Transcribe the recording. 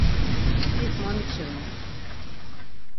Tis moniç̌irap.